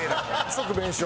即弁償。